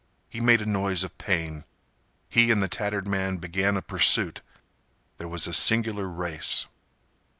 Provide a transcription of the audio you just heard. He made a noise of pain. He and the tattered man began a pursuit. There was a singular race.